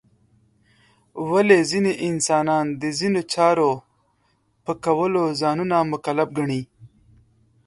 ولې ځینې انسانان د ځینو چارو په کولو ځانونه مکلف ګڼي؟